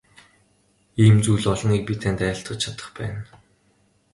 Ийм зүйл олныг би танд айлтгаж чадах байна.